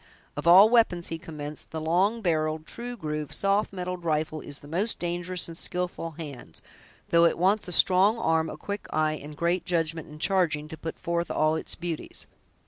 "Of all we'pons," he commenced, "the long barreled, true grooved, soft metaled rifle is the most dangerous in skillful hands, though it wants a strong arm, a quick eye, and great judgment in charging, to put forth all its beauties.